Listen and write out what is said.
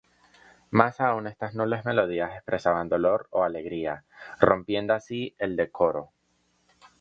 Más aún estas nobles melodías expresaban dolor o alegría, rompiendo así el "decoro.